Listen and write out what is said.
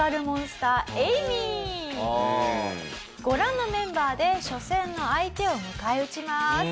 ご覧のメンバーで初戦の相手を迎え撃ちます。